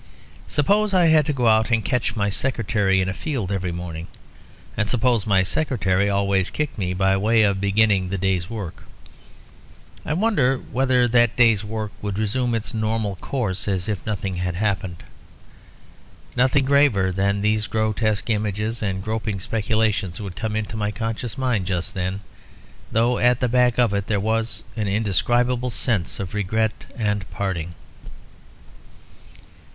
Suppose I had to go out and catch my secretary in a field every morning; and suppose my secretary always kicked me by way of beginning the day's work; I wonder whether that day's work would resume its normal course as if nothing had happened. Nothing graver than these grotesque images and groping speculations would come into my conscious mind just then, though at the back of it there was an indescribable sense of regret and parting.